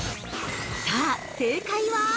◆さあ、正解は。